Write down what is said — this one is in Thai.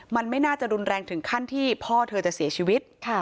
มันไม่น่าจะรุนแรงถึงขั้นที่พ่อเธอจะเสียชีวิต